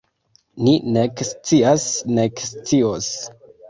Ni nek scias nek scios.